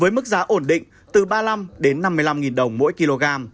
với mức giá ổn định từ ba mươi năm đến năm mươi năm đồng mỗi kg